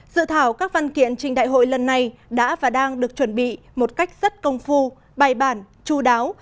dự thảo các văn kiện trình đại hội lần này đã và đang được chuẩn bị một cách rất công phu bài bản chú đáo